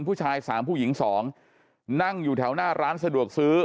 ผู้ชายสามผู้หญิงสองนั่งอยู่แถวหน้าร้านสะดวกซื้อ